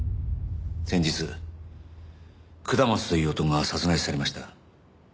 先日下松という男が殺害されました。